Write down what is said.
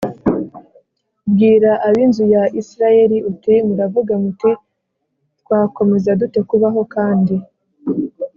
Bwira ab inzu ya isirayeli uti muravuga muti twakomeza dute kubaho kandi